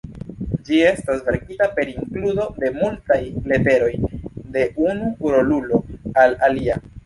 Ĝi estas verkita per inkludo de multaj leteroj de unu rolulo al alia.